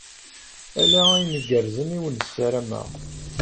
Ala ayen igerrzen i awen-ssarameɣ.